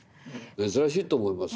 珍しいと思いますね。